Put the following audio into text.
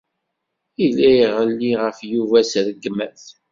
Yella iɣelli ɣef Yuba s rregmat.